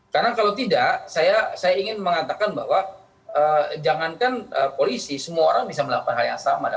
karena kalau tidak saya ingin mengatakan bahwa jangankan polisi semua orang bisa melakukan hal yang sama